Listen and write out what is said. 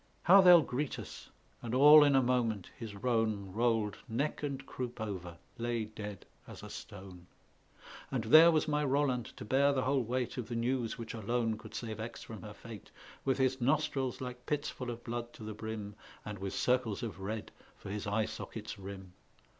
"How they'll greet us!" and all in a moment his roan Rolled neck and croup over, lay dead as a stone; And there was my Roland to bear the whole weight Of the news which alone could save Aix from her fate, With his nostrils like pits full of blood to the brim, And with circles of red for his eye sockets' rim.